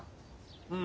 うん。